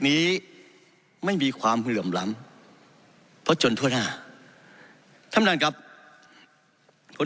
นี้ไม่มีความเหลื่อมล้ำเพราะจนทั่วหน้าท่านประธานครับคน